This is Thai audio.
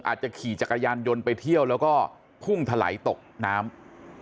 ขี่จักรยานยนต์ไปเที่ยวแล้วก็พุ่งถลายตกน้ำ